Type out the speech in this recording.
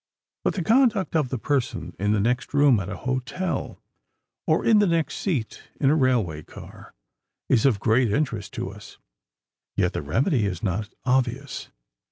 But the conduct of the person in the next room at a hotel, or in the next seat in a railroad car, is of great interest to us. Yet the remedy is not obvious.